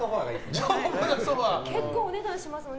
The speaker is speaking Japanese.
結構お値段しますよね。